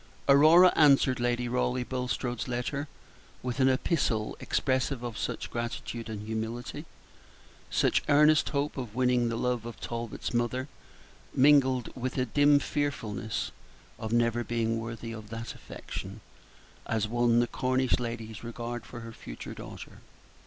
Aurora answered Lady Raleigh Bulstrode's letter with an epistle expressive of such gratitude and humility, such earnest hope of winning the love of Talbot's mother, mingled with a dim fearfulness of never being worthy of that affection, as won the Cornish lady's regard for her future daughter.